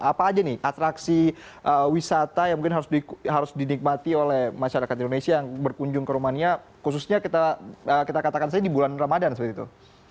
apa aja nih atraksi wisata yang mungkin harus dinikmati oleh masyarakat indonesia yang berkunjung ke rumania khususnya kita katakan saja di bulan ramadan seperti itu